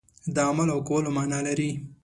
د عمل او کولو معنا لري.